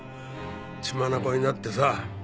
血眼になってさ。